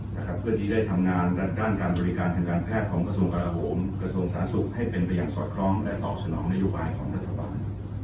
เพื่อที่จะได้ทำงานด้านการบริการทางการแพทย์ของกระทรวงกราโหมกระทรวงสาธารณสุขให้เป็นไปอย่างสอดคล้องและตอบสนองนโยบายของรัฐบาล